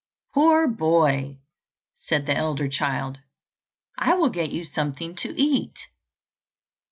"Poor boy," said the elder child, "I will get you something to eat."